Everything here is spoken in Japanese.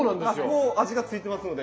もう味がついてますので。